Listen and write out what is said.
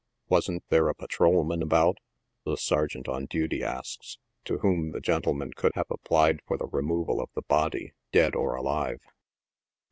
Wasn't there a patrolman about, :he sergeant on duty asks, to whom the gentleman could have applied for the re moval of the body, dead or alive